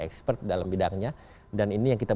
expert dalam bidangnya dan ini yang kita